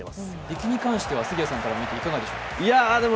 出来に関しては杉谷さんから見たらいかがでしょうか。